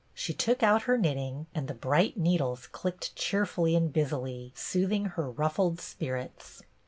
She took out her knitting, and the bright needles clicked cheerfully and busily, sooth ing her ruffled spirits.